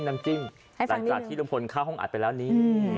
น้ำจิ้มหลังจากที่ลุงพลเข้าห้องอัดไปแล้วนี้